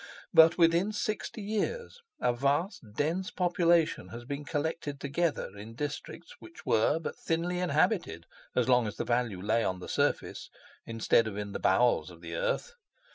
But, within sixty years a vast dense population has been collected together in districts which were but thinly inhabited as long as the value lay on the surface, instead of in the bowels of the earth.